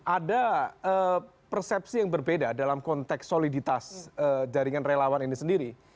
ada persepsi yang berbeda dalam konteks soliditas jaringan relawan ini sendiri